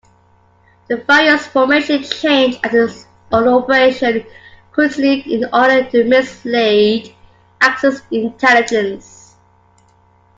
The various formations changed as the operation continued in order to mislead Axis intelligence.